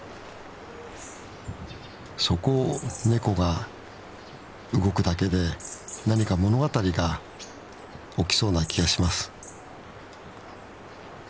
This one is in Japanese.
そこをネコが動くだけで何か物語が起きそうな気がします。